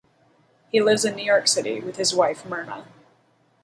He lives in New York City with his wife, Myrna.